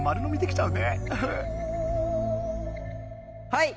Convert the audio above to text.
はい！